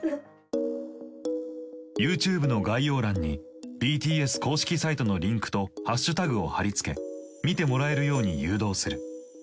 ＹｏｕＴｕｂｅの概要欄にＢＴＳ公式サイトのリンクとハッシュタグを貼り付け見てもらえるように誘導する。